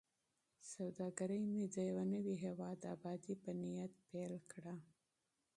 سوداګري مې د یوه نوي هیواد د ابادۍ په نیت پیل کړه.